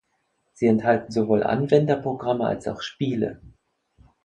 Sie enthalten sowohl Anwenderprogramme als auch Spiele.